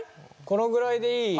このぐらいでいい？